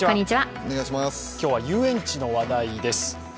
今日は遊園地の話題です。